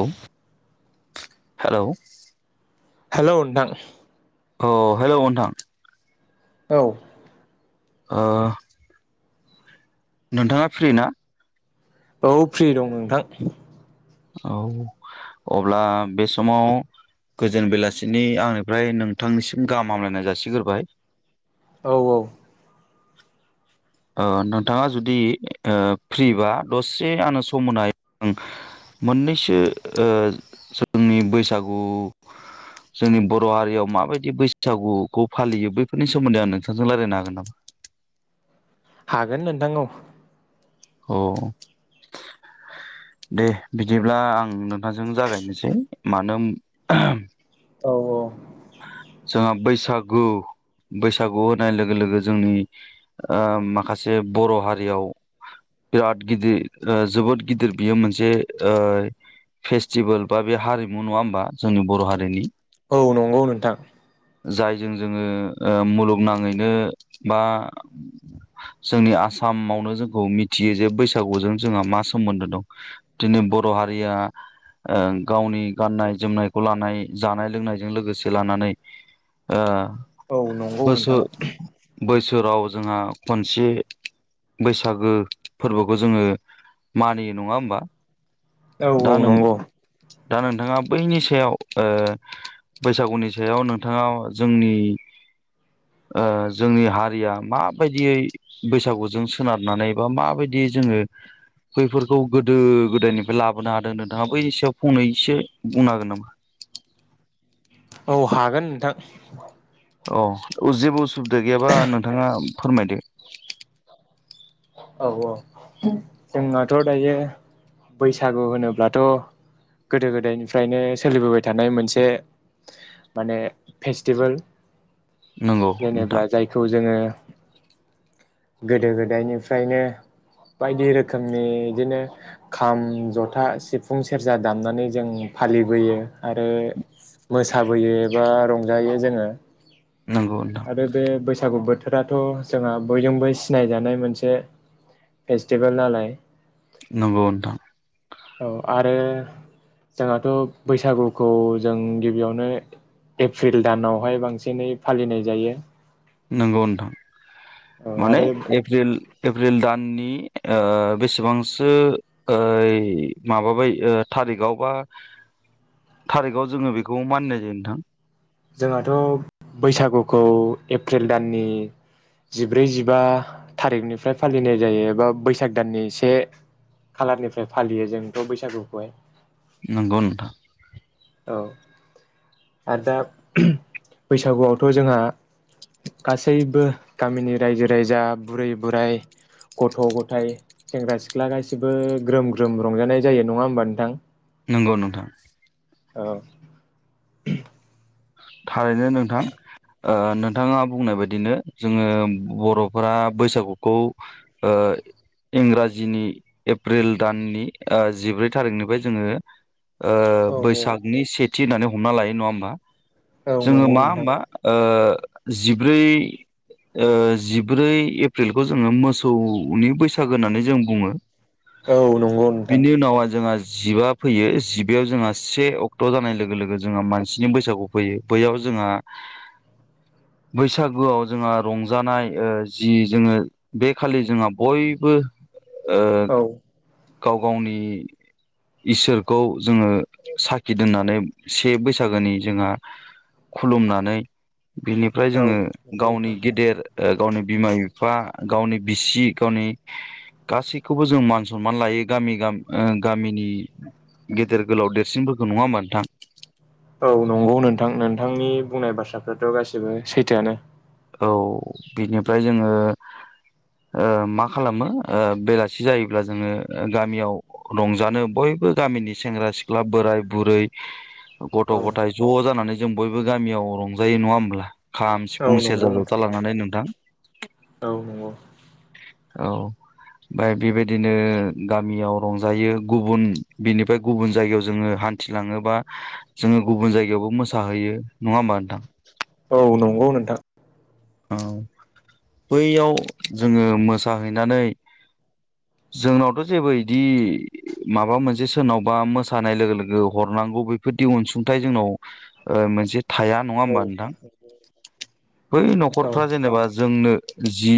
औ hello hello नोंथां अ हेल' नोंथां औ ओ नोंथाङा फ्रि ना? औ फ्रि दं नोंथां। औ अब्ला बे समाव गोजोन बेलासिनि आंनिफ्राय नोंथांनिसिम गाहाम हामलायनाय जासिग्रोबाय। औ औ ओ नोंथाङा जुदि ओ फ्रिबा दसे आनो सम होनाय मोननैसो ओ जोंनि बैसागु जोंनि बर' हारियाव माबायदि बैसागुखौ फालियो बैफोरनि सोमोन्दै आं नोंथांजों रायलायनो हागोन नामा? हागोन नोंथां औ। औ दे बिदिब्ला आं नों थां जों जागायनोसै मानो होम औ औ जोंहा बैसागु बैसागु होननाय लोगो लोगो जोंनि ओ माखासे बर' हारियाव बिराद गिदिर जोबोद गिदिर बियो मोनसे फेस्टिभेल बा बे हारिमु नङा होमबा जोंनि बर' हारिनि? औ नंगौ नोंथां। जायजों जोङो मुलुगनाङैनो बा जोंनि आसामावनो जोंखौ मिथि मिथियो जे बैसागुजों जोंहा मा सोमोन्दो दं दिनै बर' हारिया गावनि गाननाय जोमनायखौ लानाय जानाय लोंनायजों लोगोसे लानानै ओ औ बैसो बैस बोसोराव जोंहा खनसे बैसागो फोरबोखौ जोङो मानियो नङा होमबा औ दा नों नंगौ दा नोंथाङा बैनि सायाव बैसागुनि सायाव नोंथाङा जोंनि जोंनि हारिया माबायदियै बैसागुजों सोनारनानै बा मा बेबायायदि जोङो बैफोरखौ गोदो गोदायनिफ्राय लाबोनो हादों नोंथाङा बैनि सायाव फंनैसो बुंनो हागोन नामा औ हागोन नोंथां अ जेबो असुबि बिदा गैयाबा नोंथाङा फोरमायदो औ औ जोंहथ' दायो बैसागु होनोब्लाथ' गोदो गोदायनिफ्रायनो सोलिबोबाय थानाय मोनसे माने फेस्टिभेल नंगौ नोंथां जेनेबा जायखौ जोङो गोदो गोदायनि निफ्रायनो बायदि रोखोमनि बिदिनो खाम, जथा, सिफुं, सेरजा दामनानै जों फालिबोयो आरो मोसाबोयो एबा रंजायो जोङो नंगौ नोंथां आरो बे बैसागु बोथोर फोराथ' जोंहा बयजोंबो सिनायजानाय मोनसे मोनसे फेस्टिभेल नालाय नंगौ नोंथां औ आरो जोंहाथ' बैसागुखौ जों गिबियावनो एप्रिल दानावहाय बांसिनै फालिनाय जायो नंगौ नोंथां। औ माने आरो एप्रिल एप्रिल दाननि ओ बेसेबांसो माबाबाय थारिखआव बा थारिखआव जोङो बेखौ मानिनाय जायो नोंथां? जोंहाथ बैसागुखौ एप्रिल दाननि जिब्रै जििबा थारिखनिफ्राय फालिनाय जायो एबा बैसाग दाननि से खालारनिफ्राय फालियो जोंथ' बैसागुखौहाय। नंगौ नोंथां। औ आरो दा बैसागुआवथ जोंहा गासैबो गामिनि रायजो राजा बुरै बोराय गथ'-ग'थाय सेंग्रा-सिख्ला गासैबो ग्रोम-ग्रोम रंजानाय जायो नङा होमबा नोंथां। नंगौ नोंथां। औ। [inaudible] थारैनो नोंथां नोंथाङा बुंनाय बायदिनो जोङो बरफोरा बैसागुखौ इंराजिनि एप्रिल दाननि जिब्रै थारिखनिफ्राय जोङो। ओ औ बैसागनि सेथि होननानै। हमना लायो नङा होमबा। औ जोङो नंगौ मा नोंथां होमबा ओ जिब्रै ओ जिब्रै एप्रिलखौ जोङो मोसौनि बैसागो होननानै जों बुङो। औ नंगौ नोंथां बेनि उनावा जोंहा। जिबा फैयो जिबायाव जोंहा से अक्ट जानाय लोगो लोगो जोंहा मानसिनि बैसागु। फैयो बैयाव जोंहा बैसागुआव जोंहा रंजानाय जि जोङो बे खालि जोंहा बयबो। ओ औ गाव गावनि इसोरखौ जोङो साखि दोननानै से बैसागोनि जोंहा खुलुमनानै। बिनिफ्राय औ जोङो नंगौ गावनि नोंथां गेदेर। ओ गावनि बिमा बिफा गावनि बिसि गावनि गासैखौबो जों मान सनमान लायो गामि गामिनि गेदेर गोलाव देरसिनफोरखौ नङा होमबा नोंथां। औ नंगौ नोंथां नोंथांनि बुंनाय बाथ्राफ्राथ गासिबो सैथोआनो। औ बिनिफ्राय जोङो मा खालामो बेलासि जायोब्ला जोङो गामियाव रंजानो बयबो गामिनि सेंग्रा सिख्ला बोराय बुरै। गथ' औ गथाय ज' जानानै जों बयबो गामियाव रंजायो नङा होमब्ला [unintelligible] औ [unintelligible] नंगौ सेरजा, नोंथां जथा लांनानै नोंथां। औ नंगौ औ ओमफ्राय बेबायदिनो गामियाव रंजायो गुबुन बिनिफ्राय गुबुन जायगायाव जोङो हान्थिलाङोबा जोङो गुबुन जायगायावबो मोसाहैयो नङा होमबा नोंथां। औ नंगौ नोंथां। औ बैयाव जोङो मोसाहैनानै जोंनावथ' जेबो बिदि माबा मोनसे सोरनावबा मोसानाय लोगो लोगो हरनांगौ बेफोरदि अनसुंथाइ जोंनाव मोनसे थाया नङा औ होमबा नोंथां बै औ [unintelligible] [unintelligible] जेनेबा जोंनि जि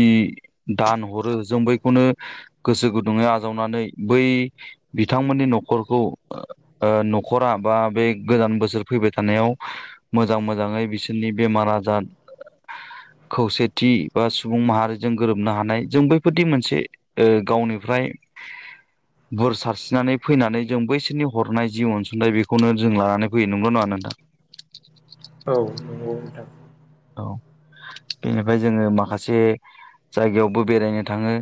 दान हरो जों बै [unintelligible] गोसो गुदुङै आजावनानै बै बिथांमोननि नखरखौ नखरा बा बे गोजान बोसोर फैबाय थानायाव मोजां मोजाङै बिसोरनि बेमार आजार खौसेथि बा सुबुं माहारिजों गोरोबनो हानाय जों बैफोरदि मोनसे गावनिफ्राय बोर सारस्रिनानै फैनानै जों बैसोरनि हरनाय जि अनसुंथाइ बेखौनो जों लानानै फैयो नंल' नङा नोंथां। नंगौ नोंथां औ। ओ बेनिफ्राय जोङो माखासे जायगायावबो बेरायनो थाङो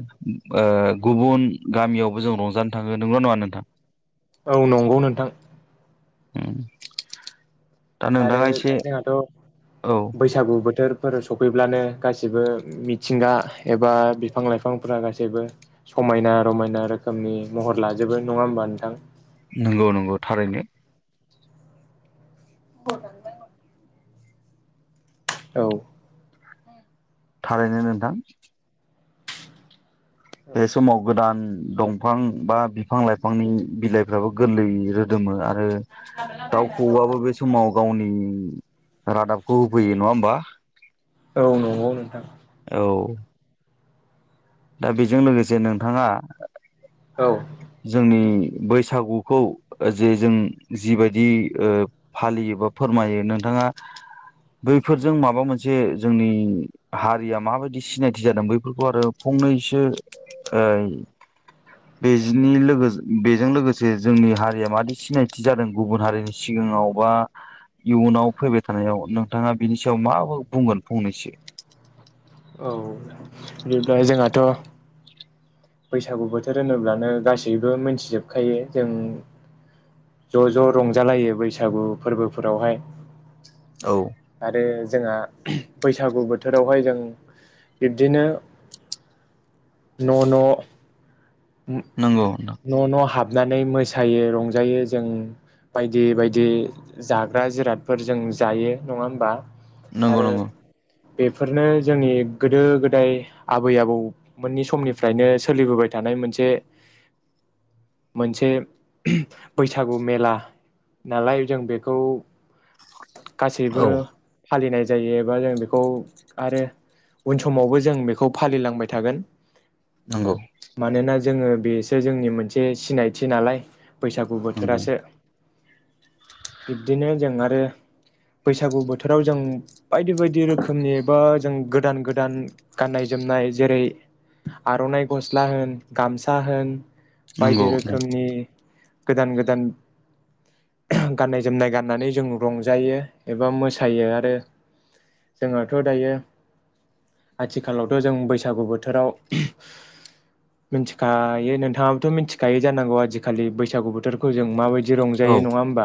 ओ गुबुन गामियावबो जों रंजानो थाङो नंगौ नङा नोंथां? औ नंगौ नोंथां। औ। आरो जोंहाथ' औ बैसागु बोथोर [unintelligible] सफैब्लानो गासैबो मिथिंगा एबा बिफां लाइफांफोरा गासैबो समायना रमायना रोखोमनि महर लाजोबो नङा होमबा नोंथां? नंगौ नंगौ थारैनो। [unintelligible] औ। थारैनो नोंथां। बेसमाव गोदान दंफां बा बिफां -लाइफांनि बिलाइफ्राबो गोरलै रोदोमो आरो दाउ खौवौआबो बे समाव गावनि रादाबखौ होफैयो नङा होमबा? औ नंगौ नोंथां। औ दा बेजों लोगोसे नोंथाङा औ जोंनि बैसागुखौ जे जों जिबायदि ओ फालियो बा फोरमायो नोंथाङा बैफोरजों माबा मोनसे जोंनि हारिया माबायदि सिनायथि जादों बैफोरखौ आरो फंनैसो ओ बेजि लोगो बेजों लोगोसे जोंनि हारिया मादि सिनायथि जादों गुबुन हारिनि सिगाङाव बा इयुनाव फैबाय थानायाव नोंथाङा बिनि सायाव माबाफोर बुंगोन फंनैसो। औ बिदिब्ला जोंहाथ' बैसागु बोथोर होनोब्लानो गासैबो मिथिजोबखायो जों ज' ज' रंजालायो बैसागु फोरबोफोरावहाय औ आरो जोंहा बैसागु बोथोरावहाय जों बिब्दिनो न' नंगौ नोंथां न' न' न' [unintelligible] [unintelligible] मोसायो रंजायो जों बायदि बायदि जाग्रा जिरादफोर जों जायो नङा होमबा? नंगौ आरो नंगौ। बेफोरनो जोंनि गोदो गोदाय आबै आबौमोननि समनिफ्रायनो सोलिबोबाय थानाय मोनसे मोनसे बैसागु मेला नालाय जों बेखौ गासैबो फालिनाय जायो एबा जों बेखौ आरो उन समावबो जों बेखौ फालिलांबाय थागोन। नंगौ। मानोना जोङो बेसो जोंनि मोनसे सिनायथि नालाय बैसागु नंगौ बोथोरासो बिब्दिनो जोंना ओ बे बैसागु बोथोराव जों बायदि बायदि रोखोमनि बा जों गोदान गोदान गाननाय जोमनाय जेरै आर'नाइ गस्ला होन गामसा होन बायदि नंगौ रोखोमनि गोदान गोदान गाननाय जोमनाय गाननानै जों रंजायो एबा मोसायो आरो जोंहाथ' दायो आथिखालावथ' जों बैसागु बोथोराव मिथिखायो नोंथाङाबोथ' मिथिखायो जानांगौ आजिखालि बैसागु बोथोरखौ जों माबायदि दि औ रंजायो नङा होनबा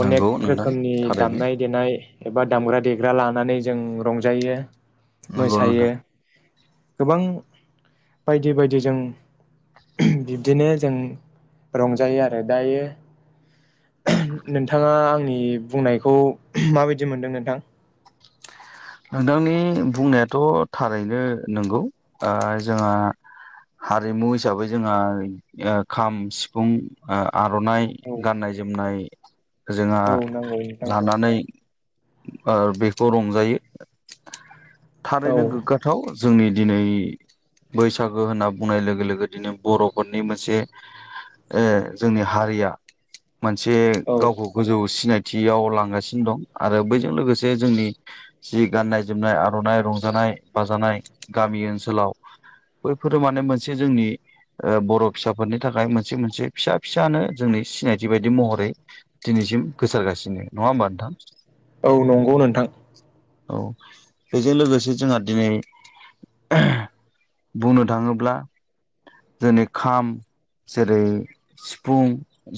अनेक नंगौ नोंथां रोखोमनि थारैनो दामनाय देनाय एबा दामग्रा-देग्रा लानानै जों रंजायो, नंगौ नोंथां मोसायो गोबां बायदि बायदि जों बिब्दिनो जों रंजायो आरो। दायो नोंथाङा आंनि बुंनायखौ माबायदि मोनदों नोंथां? नोंथांनि बुंनायाथ' थारैनो नोंगौ ओ जोंहा हारिमु हिसाबै जोंहा ओ खाम, सिफुं ओ आर'नाइ, औ गाननाय-जोमनाय जोंहा औ नांगौ नोंथां लानानै ओ बेखौ रंजायो। औ थारैनो गोग्गाथाव जोंनि दिनै बैसागो होनना बुंनाय लोगो लोगो दिनै बर'फोरनि मोनसे ओ जोंनि हारिया मोनसे औ गावखौ गोजौ सिनाय थियाव लांगासिनो दं आरो बैजों लोगोसे जोंनि जि गाननाय-जोमनाय आर'नाइ रंजानाय-बाजानाय गामि ओनसोलाव बैफोर माने मोनसे जोंनि ओ बर' फिसाफोरनि थाखाय मोनसे मोनसे फिसा फिसानो जोंनि सिनायथि बायदि महरै दिनैसिम गोसारगासिनो। नङा होमबा नोंथां? औ नंगौ नोंथां औ बेजों लोगोसे जोंहा दिनै बुंनो थाङोब्ला जोंनि खाम जेरै सिफुं,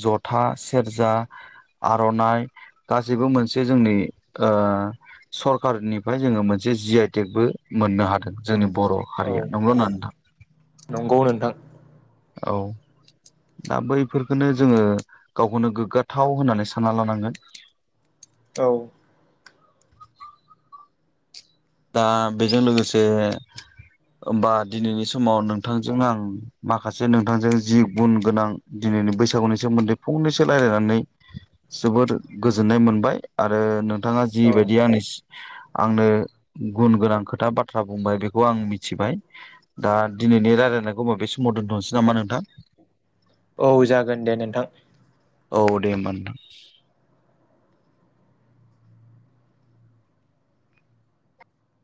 जथा, सेरजा, आर'नाइ गासैबो मोनसे जोंनि ओ सरकारनिफ्राय जोङो मोनसे जि आइ टेकबो मोननो हादों। जोंनि बर' औ हारिया नंगौ ना नङा नोंथां? नंगौ नोंथां औ दा बैफोरखौनो जोङो गावखौनो गोग्गाथाव होननानै सानना लानांगोन। औ। दा बेजों लोगोसे होमबा दिनैनि समाव नोंथांजों आं माखासे नोंथांजों जि गुन गोनां दिनैनि बैसागुनि सोमोन्दै फंनैसो रायलायनानै जोबोद गोजोननाय मोनबाय। आरो नोंथाङा औ जिबायदि आंनो आंनो गुन गोनां खोथा बाथ्रा बुंबाय बेखौ आं मिथिबाय। दा दिनैनि रायलायनायखौ होमबा बेे समाव दोनथ'नोसै नामा नोंथां? औ, जागोन दे नोंथां। औ, दे होमबा नोंथां।